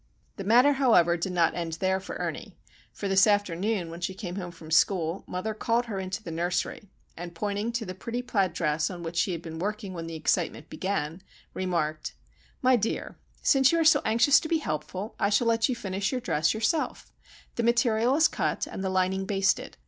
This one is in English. The matter, however, did not end there for Ernie; for this afternoon when she came home from school mother called her into the nursery, and pointing to the pretty plaid dress on which she had been working when the excitement began, remarked,— "My dear, since you are so anxious to be helpful I shall let you finish your dress yourself. The material is cut, and the lining basted.